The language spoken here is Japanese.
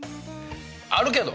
あるけど。